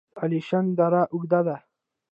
د الیشنګ دره اوږده ده